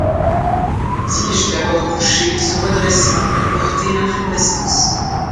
Tige d'abord couchée se redressant pour porter l'inflorescence.